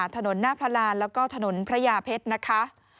ถนนหน้าพระรานแล้วก็ถนนพระยาเพชรนะคะ